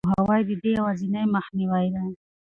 خبرتیا او پوهاوی د دې یوازینۍ مخنیوی دی.